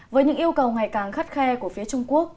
với những yêu cầu ngày càng khắt khe của phía trung quốc